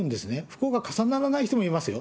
不幸が重ならない人もいますよ。